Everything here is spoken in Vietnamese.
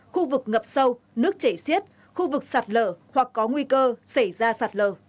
khu vực ngập sâu nước chảy xiết khu vực sạt lở hoặc có nguy cơ xảy ra sạt lở